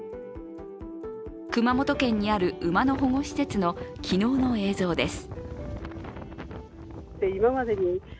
熊本県にある馬の保護施設の昨日の映像です。